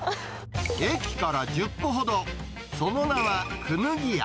駅から１０歩ほど、その名は功刀屋。